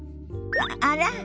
あら？